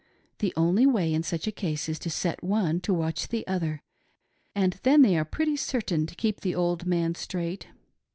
The only way in such a case is to set one to watch the other, and then they are pretty certain to keep the old man straight.